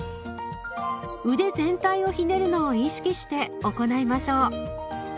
腕全体をひねるのを意識して行いましょう。